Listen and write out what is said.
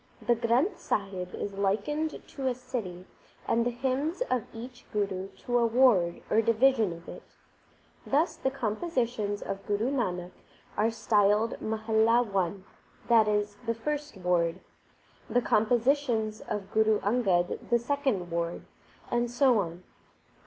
The Granth Sahib is likened to a city and the hymns of each Guru to a ward or division of it. Thus the compositions of Guru Nanak are styled Mahalla one, that is, the first ward ; the compositions of Guru Angad the second ward, and so on.